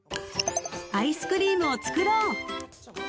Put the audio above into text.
アイスクリームを作ろう！